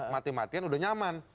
mati matian udah nyaman